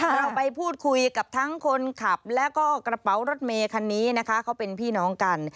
เราไปพูดคุยกับทั้งคนขับแล้วก็กระเป๋ารถเมคันนี้นะคะเขาเป็นพี่น้องกัน